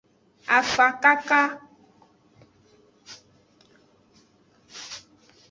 Afakaka.